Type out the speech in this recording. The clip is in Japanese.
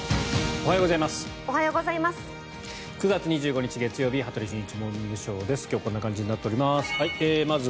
おはようございます。